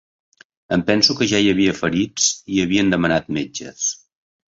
Em penso que ja hi havia ferits i havien demanat metges